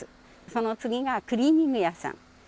その次がクリーニング屋さん。